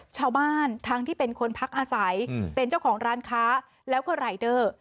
ชาวบ้านทั้งที่เป็นคนพักอาศัยเป็นเจ้าของร้านค้าแล้วก็รายเดอร์